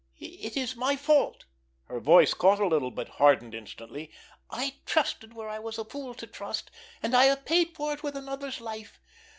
It is my fault"—her voice caught a little, but hardened instantly—"I trusted where I was a fool to trust, and I have paid for it with another's life.